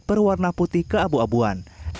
berwarna putih keabu abuan